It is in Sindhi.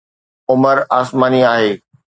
عمر آسماني آهي